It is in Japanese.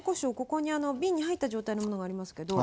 ここに瓶に入った状態のものがありますけど。